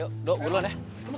yuk dulu ya